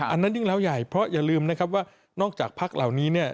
อันนั้นยังเล่าใหญ่เพราะอย่าลืมนะครับว่านอกจากภักดิ์เหล่านี้